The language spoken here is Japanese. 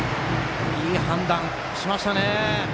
いい判断しましたね。